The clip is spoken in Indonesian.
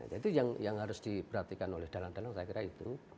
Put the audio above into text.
jadi yang harus diperhatikan oleh dalang dalang saya kira itu